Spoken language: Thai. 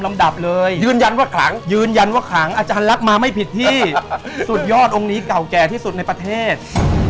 แล้วถ้าเกิดอยากมีกินมีใช้อีกทาง